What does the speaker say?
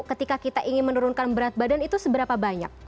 ketika kita ingin menurunkan berat badan itu seberapa banyak